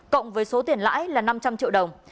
cộng với số tiền lãi là năm trăm linh triệu đồng